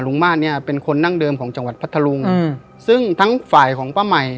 มาตรเนี่ยเป็นคนนั่งเดิมของจังหวัดพัทธรุงอืมซึ่งทั้งฝ่ายของป้าใหม่